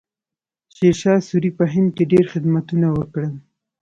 شیرشاه سوري په هند کې ډېر خدمتونه وکړل.